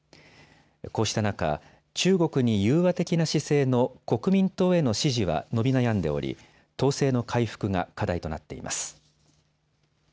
こうした中、中国に融和的な姿勢の国民党への支持は伸び悩んでおり党勢の回復が課題となっています。